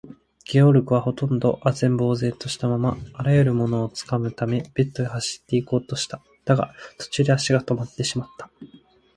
ゲオルクは、ほとんど呆然ぼうぜんとしたまま、あらゆるものをつかむためベッドへ走っていこうとした。だが、途中で足がとまってしまった。